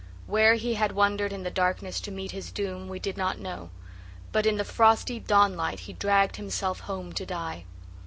Where he had wandered in the darkness to meet his doom we did not know, but in the frosty dawnlight he dragged himself home to die.